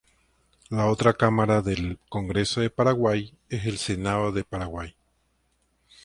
La otra cámara del Congreso de Paraguay es el Senado de Paraguay.